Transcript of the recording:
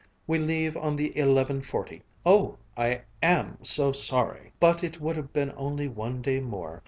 "We leave on the eleven forty oh, I am so sorry! But it would have been only one day more.